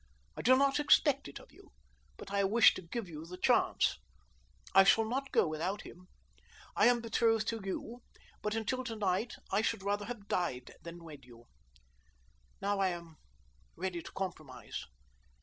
I do not expect it of you, but I wish to give you the chance. "I shall not go without him. I am betrothed to you; but until tonight I should rather have died than wed you. Now I am ready to compromise.